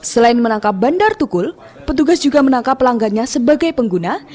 selain menangkap bandar tukul petugas juga menangkap pelanggannya sebagai pengguna